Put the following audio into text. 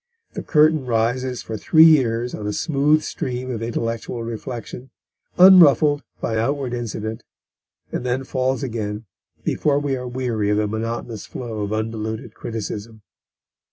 The curtain rises for three years on a smooth stream of intellectual reflection, unruffled by outward incident, and then falls again before we are weary of the monotonous flow of undiluted criticism.